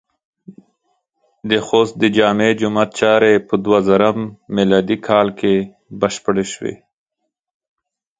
د خوست د جامع جماعت چارې په دوهزرم م کال کې بشپړې شوې.